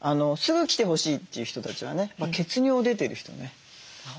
すぐ来てほしいという人たちはね血尿出てる人ね。